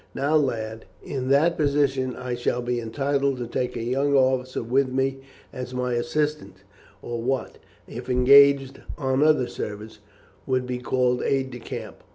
Now, lad, in that position I shall be entitled to take a young officer with me as my assistant, or what, if engaged on other service, would be called aide de camp.